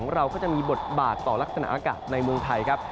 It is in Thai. เราก็จะมีบทบาทต่อลักษณะอากาศในเมืองไทยครับ